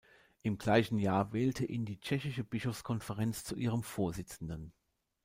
Im gleichen Jahr wählte ihn die Tschechische Bischofskonferenz zu ihrem Vorsitzenden.